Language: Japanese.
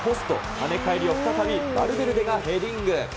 跳ね返りをバルベルデがヘディング。